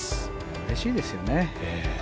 うれしいですよね。